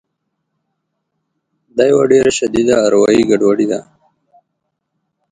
دا یوه ډېره شدیده اروایي ګډوډي ده